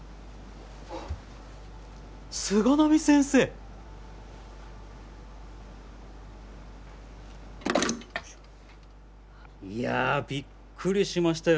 菅波先生。いやびっくりしましたよ